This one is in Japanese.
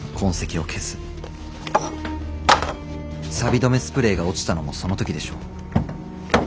サビ止めスプレーが落ちたのもその時でしょう。